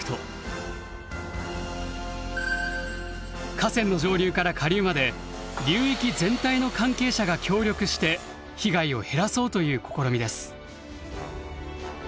河川の上流から下流まで流域全体の関係者が協力して被害を減らそうという試みです。